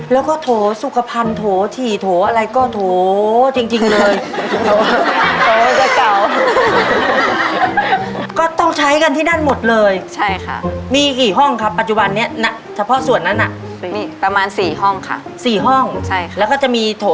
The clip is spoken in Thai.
แล้วก็โโธสุขภัณฑ์โธฉีโธอะไรก็โธ